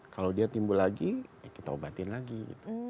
kalau dia timbul lagi ya kita obatin lagi gitu